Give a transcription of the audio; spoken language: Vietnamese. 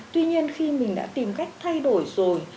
tuy nhiên khi mình đã tìm cách thay đổi rồi